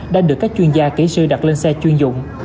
đã được các chuyên gia kỹ sư đặt lên xe chuyên dụng